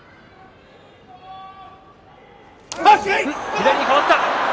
左に変わった。